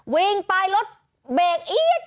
กินไปรถเบกอี๊ก